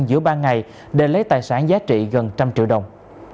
giữa ba ngày để lấy tài sản giá trị gần một trăm linh triệu đồng